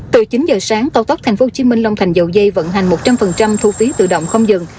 từ chín giờ sáng cao tốc tp hcm long thành dầu dây vận hành một trăm linh thu phí tự động không dừng